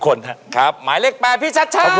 โอ้นี่